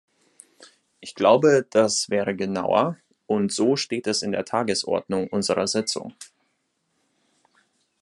Ich glaube, das wäre genauer, und so steht es in der Tagesordnung unserer Sitzung.